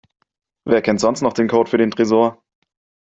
Wer kennt sonst noch den Code für den Tresor?